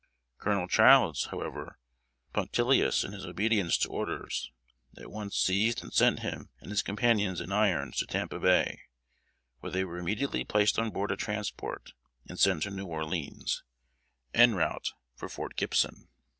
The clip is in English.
Colonel Childs, however, punctilious in his obedience to orders, at once seized and sent him and his companions in irons to Tampa Bay, where they were immediately placed on board a transport and sent to New Orleans, en route for Fort Gibson.